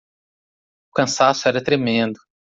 O cansaço era tremendo